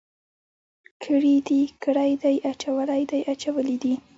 کړي دي، کړی دی، اچولی دی، اچولي دي.